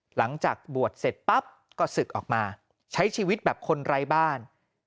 หลังจากบวชเสร็จปั๊บก็ศึกออกมาใช้ชีวิตแบบคนไร้บ้าน